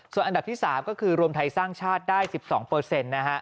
ส่วนอันดับที่๓ก็คือรวมไทยสร้างชาติได้๑๒นะฮะ